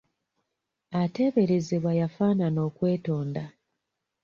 Ateeberezebwa yafaanana okwetonda.